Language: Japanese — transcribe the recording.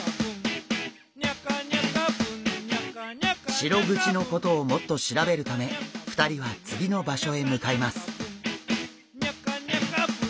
シログチのことをもっと調べるため２人は次の場所へ向かいます。